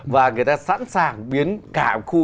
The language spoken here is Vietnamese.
và người ta sẵn sàng biến cả một khu